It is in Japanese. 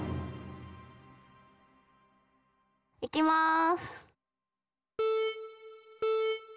いきます。